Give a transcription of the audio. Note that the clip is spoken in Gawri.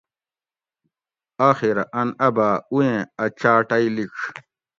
آخیرہ ان اۤ باۤ اویٔں اۤ چاۤ ٹئ لیڄ